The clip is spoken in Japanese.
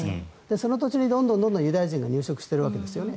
その土地にどんどんユダヤ人が入植してるわけですね。